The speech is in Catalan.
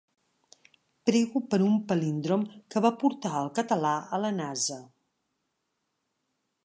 Prego per un palíndrom que va portar el català a la Nasa.